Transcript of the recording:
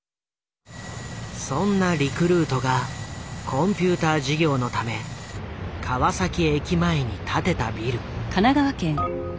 そんなリクルートがコンピューター事業のため川崎駅前に建てたビル。